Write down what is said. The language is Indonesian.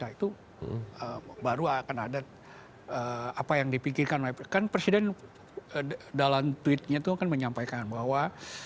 itu baru akan ada apa yang dipikirkan oleh kan presiden dalam tweetnya itu kan menyampaikan bahwa